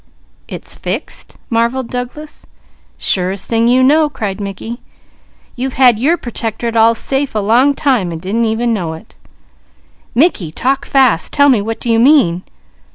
"It's fixed?" marvelled Douglas. "Surest thing you know!" cried Mickey. "You've had your Pertectorate all safe a long time, and didn't know it." "Mickey, talk fast! Tell me! What do you mean?"